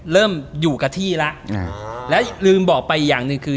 เริ่มอยู่กับที่แล้วแล้วลืมบอกไปอีกอย่างหนึ่งคือ